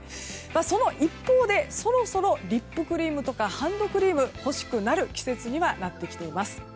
その一方、そろそろリップクリームとかハンドクリームが欲しくなる季節になります。